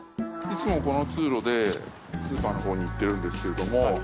いつもこの通路でスーパーの方に行ってるんですけれども。